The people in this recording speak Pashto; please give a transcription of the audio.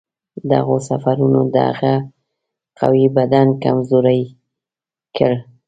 دغو سفرونو د هغه قوي بدن کمزوری کړ.